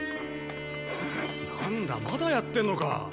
なんだまだやってんのか？